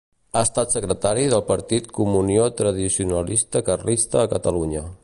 Ha estat secretari del partit Comunió Tradicionalista Carlista a Catalunya.